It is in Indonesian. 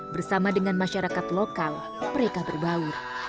bersama dengan masyarakat lokal mereka berbaur